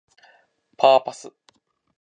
パーパス